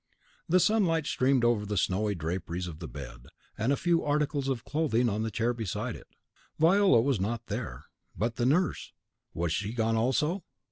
The sunlight streamed over the snowy draperies of the bed, and a few articles of clothing on the chair beside it. Viola was not there; but the nurse! was she gone also?